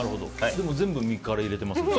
でも全部、身から入れてますね。